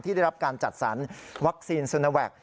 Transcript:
ที่ได้รับการจัดสรรวัคซีนซีเนวัค